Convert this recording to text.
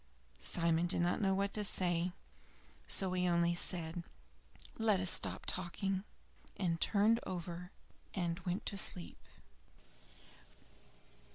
Simon did not know what to say; so he only said, "Let us stop talking," and turned over and went to sleep.